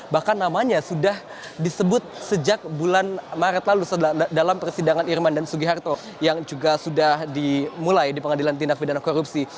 bahkan namanya sudah disebut sejak bulan maret lalu dalam persidangan irman dan sugiharto yang juga sudah dimulai di pengadilan tindak pidana korupsi